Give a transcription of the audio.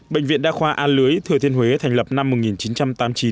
bệnh viện đa khoa a lưới thừa thiên huế thành lập năm một nghìn chín trăm tám mươi chín